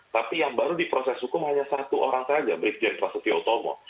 tapi yang baru diproses hukum hanya satu orang saja brig jenderal sesi otomo